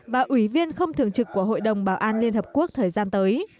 và ủy viên không thường trực của hội đồng bảo an liên hợp quốc thời gian tới